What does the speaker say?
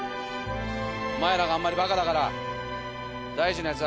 お前らがあんまりバカだから大地のヤツ